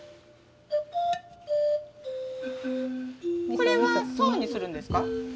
これは層にするんですか？